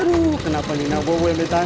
aduh kenapa dina bobo yang udah tahan